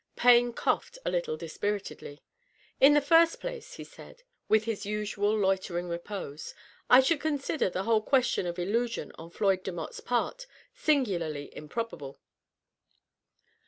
Payne coughed a little dispiritedly. " In the first place," he said, with his usual loitering repose, " I should consider the whole question of illusion on Floyd Demotte's part singularly improbable.